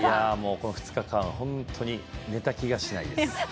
この２日間、本当に寝た気がしないです。